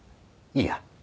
いいや。